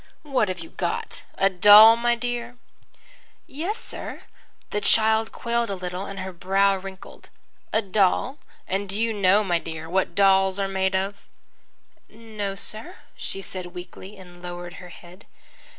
"What have you got, a doll, my dear?" "Yes, sir." The child quailed a little, and her brow wrinkled. "A doll? And do you know, my dear, what dolls are made of?" "No, sir," she said weakly, and lowered her head.